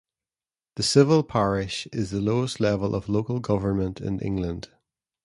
The civil parish is the lowest level of local government in England.